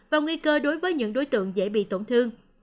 và nguy cơ đối với những đối tượng dễ bị tổn thương